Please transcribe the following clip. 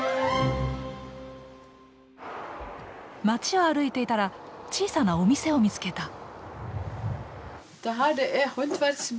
街を歩いてたら小さなお店を見つけた。